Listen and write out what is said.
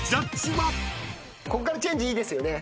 こっからチェンジいいですよね。